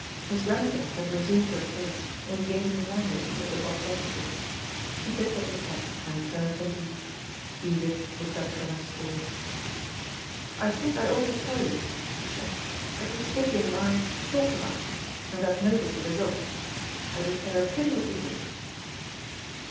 Miss Grantham had resumed her place, and was gazing languidly, at the box opposite. He picked up his hat, and turned to leave. Edith looked up from her score. "I think I ought to tell you," she said, "that Mrs. Vivian and I talked about you, and that note is the result. I don't care a pin what you think."